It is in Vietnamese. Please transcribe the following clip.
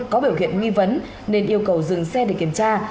có biểu hiện nghi vấn nên yêu cầu dừng xe để kiểm tra